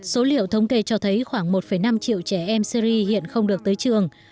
số liệu thống kê cho thấy khoảng một năm triệu trẻ em syri hiện không được tới trường